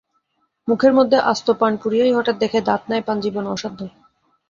মুখের মধ্যে আস্ত পান পুরিয়াই হঠাৎ দেখে, দাঁত নাই, পান চিবানো অসাধ্য।